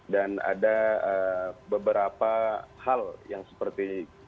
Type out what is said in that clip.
dan ada beberapa hal yang seperti